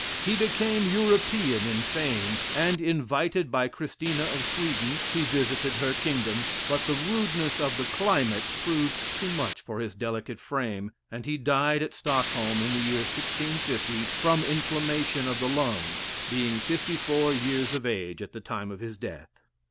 He became European in fame; and, invited by Christina of Sweden, he visited her kingdom, but the rudeness of the climate proved too much for his delicate frame, and he died at Stockholm in the year 1650, from inflammation of the lungs, being fifty four years of age at the time of his death.